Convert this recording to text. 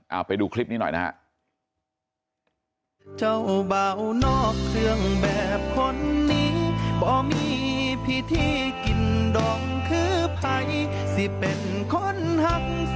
เอาไปดูคลิปนี้หน่อยนะฮะ